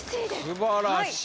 素晴らしい。